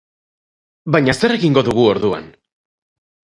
Baina zer egingo dugu orduan?